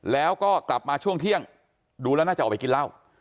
แล้วก็กลับมาช่วงเที่ยงดูแล้วน่าจะออกไปกินเหล้า